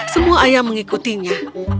semua ayam mengikutinya